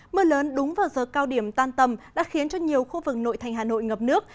mưa lớn đúng vào giờ cao điểm tan tầm đã khiến cho nhiều khu vực nội thành hà nội ngập nước